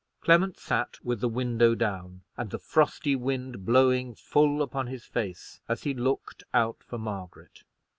Clement sat with the window down, and the frosty wind blowing full upon his face as he looked out for Margaret.